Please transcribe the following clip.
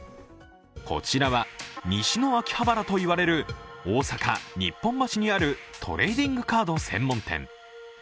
こちらは西の秋葉原と言われる大阪・日本橋にあるトレーディングカード専門店。